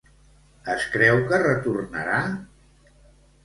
Es creu que retornarà?